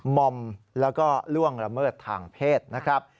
มอมแล้วก็ล่วงละเมิดทางเพศนะครับ